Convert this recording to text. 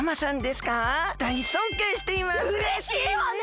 うれしいわね！